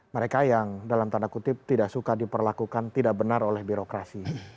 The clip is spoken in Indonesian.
mereka yang dalam tanda kutip tidak suka diperlakukan tidak benar oleh birokrasi